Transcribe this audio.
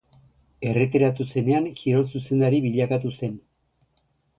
Erretiratu zenean, kirol zuzendari bilakatu zen.